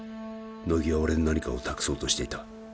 乃木は俺に何かを託そうとしていた